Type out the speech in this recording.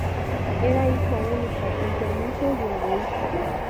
Era hijo único, enfermizo y egoísta.